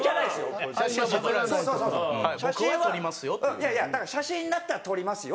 いやいやだから写真だったら撮りますよ。